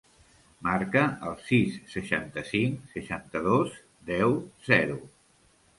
Marca el sis, seixanta-cinc, seixanta-dos, deu, zero.